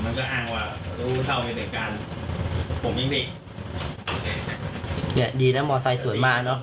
เนี่ยดีนะมอสไซค์สวยมากเนอะ